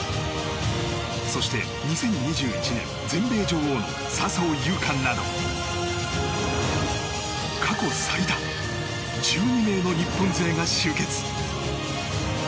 そして２０２１年全米女王の笹生優花など過去最多１２名の日本勢が集結。